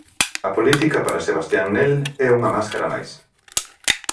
A política para Sebastian Nell é unha máscara máis.